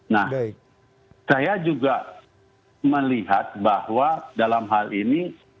nah saya juga melihat bahwa dalam hal ini